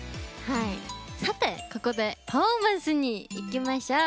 さて、ここでパフォーマンスにいきましょう。